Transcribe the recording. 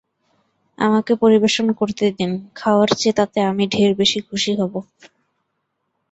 আমাকে পরিবেশন করতে দিন, খাওয়ার চেয়ে তাতে আমি ঢের বেশি খুশি হব।